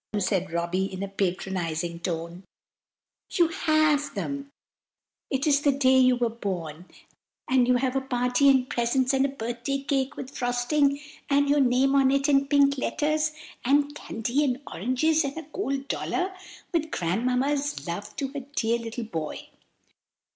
said Robby, in a patronizing tone, "you have them! It is the day you were born, and you have a party and presents, and a birthday cake with frosting, and your name on it in pink letters, and candy and oranges, and a gold dollar with Grandmamma's love to her dear little boy.